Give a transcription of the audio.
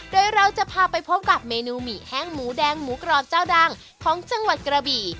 โดยเราจะพาไปพบกับเมนูหมี่แห้งหมูแดงหมูกรอบเจ้าดังของจังหวัดกระบี่